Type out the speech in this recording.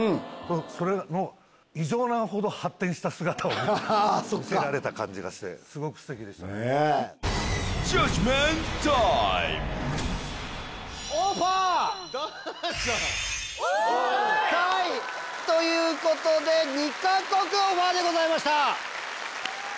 それの異常なほど発展した姿を見せられた感じがしてすごくステキでしたね。ということで２か国オファーでございました！